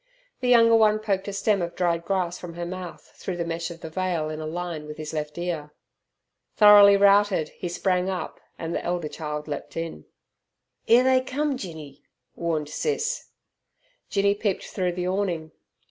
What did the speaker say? The younger one poked a stem of dried grass from her mouth through the mesh of the veil in a line with his left ear. Thoroughly routed, he sprang up, and the elder child leapt in. "'Ere they cum, Jinny," warned Sis. Jinny peeped through the awning.